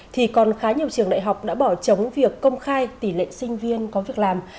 thì còn khá nhiều trường đại học đã bỏ trống việc công khai tỷ lệ sinh viên có việc làm